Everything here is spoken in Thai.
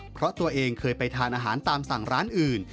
เพราะตัวเองเคยไปทานอาหารตามสั่งร้านอื่น